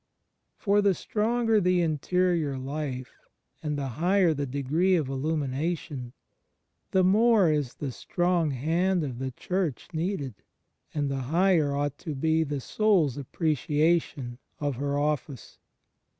... For the stronger the interior life and the higher the degree of illmnination, the more is the strong hand of the Church needed, and the higher ought to be the soul's appreciation of her office.